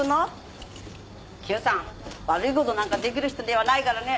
久さん悪い事なんかできる人ではないからね。